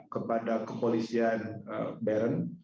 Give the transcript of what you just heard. kepada kepolisian beren